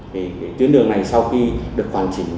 thì tuyến đường này sau khi được hoàn chỉnh